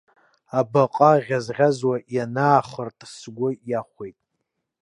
Абаҟа ӷьазӷьазуа ианаахырт, сгәы иахәеит.